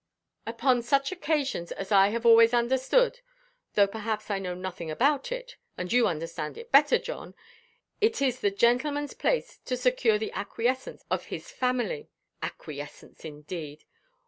Upon such occasions, as I have always understood, though perhaps I know nothing about it, and you understand it better, John, it is the gentlemanʼs place to secure the acquiescence of his family. Acquiescence, indeed!